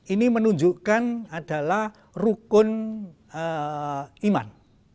ini menunjukkan adalah rukun iman